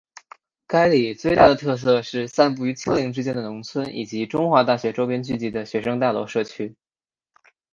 该里最大的特色是散布于丘陵之间的农村以及中华大学周边聚集的学生大楼社区。